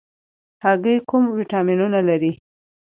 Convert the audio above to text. هګۍ کوم ویټامینونه لري؟